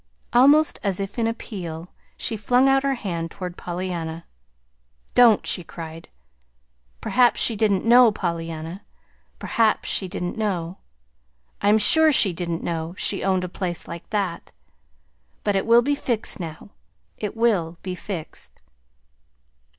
Almost as if in appeal she flung out her hand toward Pollyanna. "Don't!" she cried. "Perhaps she didn't know, Pollyanna. Perhaps she didn't know. I'm sure she didn't know she owned a place like that. But it will be fixed now it will be fixed."